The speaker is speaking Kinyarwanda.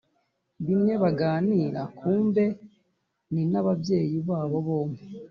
bimwe baganira kumbe ni nababyeyi babo bombi